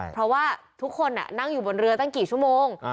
เพราะว่าทุกคนนั่งอยู่บนเรือตั้งกี่ชั่วโมง